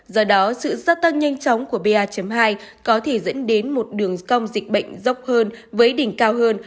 do đó sự gia tăng nhanh chóng của ba hai có thể dẫn đến một đường cong dịch bệnh dốc hơn với đỉnh cao hơn